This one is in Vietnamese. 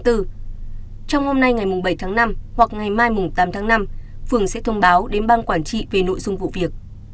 trong hôm nay ngày bảy tháng năm hoặc ngày mai tám tháng năm phường sẽ thông báo đến bang quản trị về nội dung vụ việc